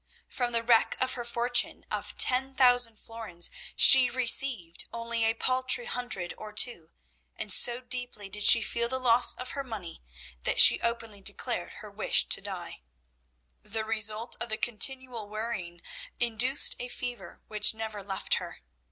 From the wreck of her fortune of ten thousand florins she received only a paltry hundred or two, and so deeply did she feel the loss of her money that she openly declared her wish to die. The result of the continual worrying induced a fever which never left her.